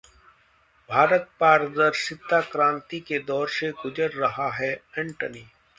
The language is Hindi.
भारत पारदर्शिता क्रांति के दौर से गुजर रहा है: एंटनी